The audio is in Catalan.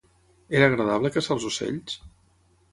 Era agradable caçar els ocells?